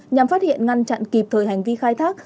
nhằm phát hiện ngăn chặn kịp thời hành vi khai thác